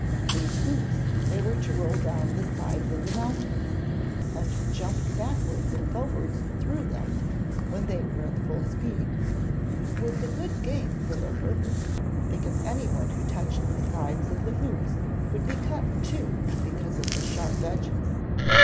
These hoops they were to roll down the sides of the mountains, and jump backwards and forwards through them, when they were at full speed. It was a good game for their purpose, because anyone who touched the side of the hoops would be cut in two, because of the sharp edges.